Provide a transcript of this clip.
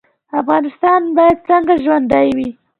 افغانستان باید څنګه ژوندی وي؟